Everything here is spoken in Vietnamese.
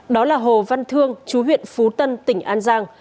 đó là hồ văn thương chú huyện phú tân tỉnh an giang